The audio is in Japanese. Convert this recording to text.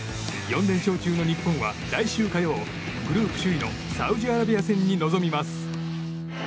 ４連勝中の日本は来週火曜グループ首位のサウジアラビア戦に臨みます。